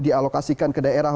dialokasikan ke daerah